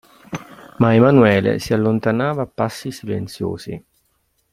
Ma Emanuele s'allontanava a passi silenziosi.